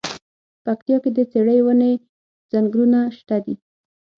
پکتيا کی د څیړۍ ونی ځنګلونه شته دی.